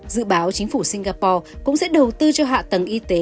dự báo chính phủ singapore cũng sẽ đầu tư cho hạ tầng y tế